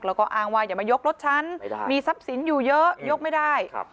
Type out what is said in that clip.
แล้วก็อ้างว่าอย่ามายกรถฉันมีทรัพย์สินอยู่เยอะยกไม่ได้